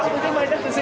sudah lama pasti